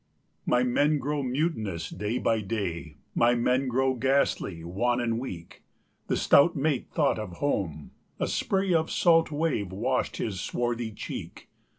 '" "My men grow mutinous day by day; My men grow ghastly, wan and weak." The stout mate thought of home; a spray Of salt wave washed his swarthy cheek.